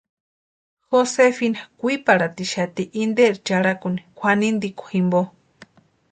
Josefina kwiparhatixati interi charakuni kwʼanintikwa jimpo.